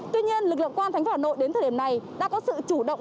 tuy nhiên lực lượng quan thành phố hà nội đến thời điểm này đã có sự chủ động